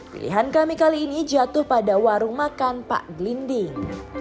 pilihan kami kali ini jatuh pada warung makan pak gelinding